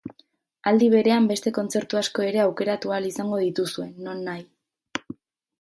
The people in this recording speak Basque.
Aldi berean, beste kontzertu asko ere aukeratu ahal izango dituzue, nonahi.